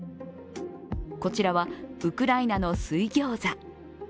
こちらはウクライナの水ギョーザ。